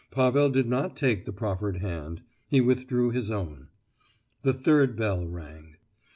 Pavel did not take the proffered hand, he withdrew his own. The third bell rang.